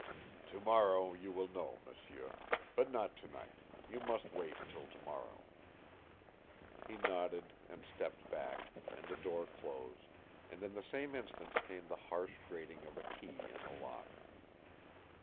"Tomorrow you will know, m'sieu. But not to night. You must wait until tomorrow." He nodded and stepped back, and the door closed and in the same instant came the harsh grating of a key in the lock.